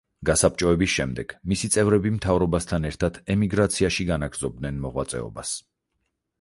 გასაბჭოების შემდეგ, მისი წევრები მთავრობასთან ერთად, ემიგრაციაში განაგრძობდნენ მოღვაწეობას.